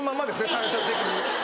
タイトル的に。